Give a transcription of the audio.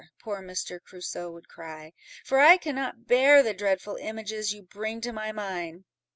poor Mr. Crusoe would cry, "for I cannot bear the dreadful images you bring to my mind!